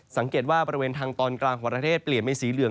สังเกตว่าบริเวณทางตอนกลางของประเทศเปลี่ยนเป็นสีเหลือง